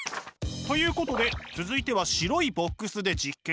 ということで続いては白いボックスで実験。